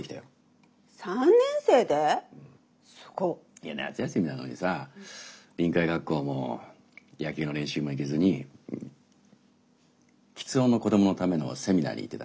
いや夏休みなのにさ臨海学校も野球の練習も行けずに吃音の子供のためのセミナーに行ってたんだ。